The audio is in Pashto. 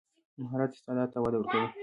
مهارت استعداد ته وده ورکوي.